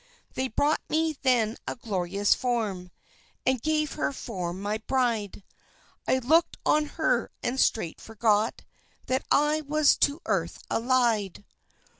They brought me then a glorious form, And gave her for my bride; I looked on her, and straight forgot That I was to earth allied.